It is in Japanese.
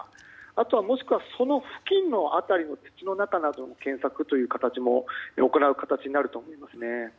あとは、もしくはその付近の辺りの土の中などの検索も行うことになると思います。